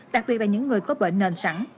đặc biệt là những người có bệnh nền sẵn